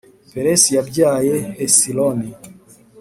Peresi yabyaye hesironi